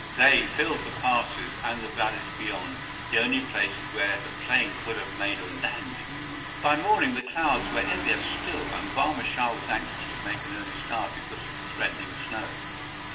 They filled the passes and the valleys beyond, the only places where the plane could have made a landing. By morning the clouds were heavier still, and Barma Shah was anxious to make an early start because of the threatening snow.